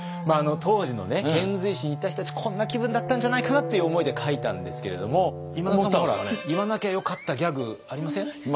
当時の遣隋使に行った人たちこんな気分だったんじゃないかなという思いで書いたんですけれども今田さんも言わなきゃよかったギャグありません？